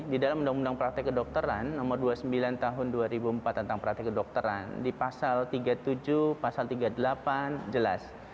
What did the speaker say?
di dalam undang undang praktek kedokteran nomor dua puluh sembilan tahun dua ribu empat tentang praktek kedokteran di pasal tiga puluh tujuh pasal tiga puluh delapan jelas